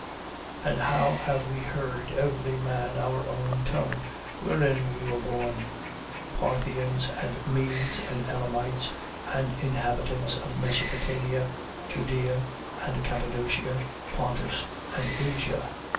2:8. And how have we heard, every man our own tongue wherein we were born? 2:9. Parthians and Medes and Elamites and inhabitants of Mesopotamia, Judea, and Cappadocia, Pontus and Asia, 2:10.